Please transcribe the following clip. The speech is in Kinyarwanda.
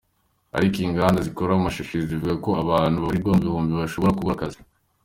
Ariko inganda zikora amashashi zivuga ko abantu babarirwa mu bihumbi bashobora kubura akazi.